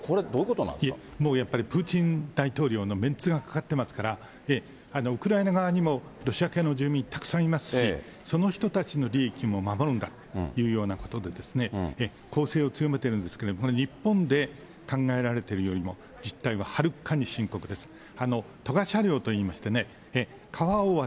もうやっぱり、プーチン大統領のメンツがかかってますから、ウクライナ側にもロシア系の住民、たくさんいますし、その人たちの利益も守るんだというようなことで、攻勢を強めているんですけれども、日本で考えられているよりも、実態ははるかに深刻です。